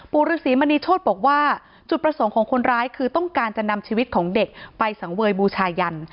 ฤษีมณีโชธบอกว่าจุดประสงค์ของคนร้ายคือต้องการจะนำชีวิตของเด็กไปสังเวยบูชายัน